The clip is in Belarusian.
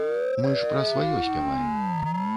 Мы ж пра сваё спяваем.